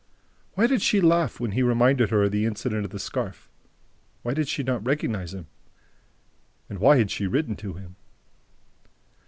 Why did she laugh when he reminded her of the incident of the scarf? Why did she not recognize him? And why had she written to him?